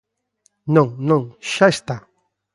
Non, non, ¡xa está!